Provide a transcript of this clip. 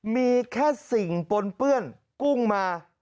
มีแค่สิ่งปนเปื้อนกุ้งมา